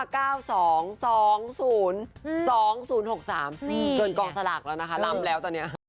เกินกองสลากแล้วนะคะลำแล้วตอนนี้